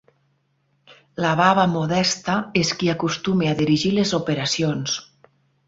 La baba Modesta és qui acostuma a dirigir les operacions.